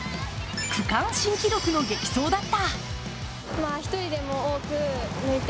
区間新記録の激走だった。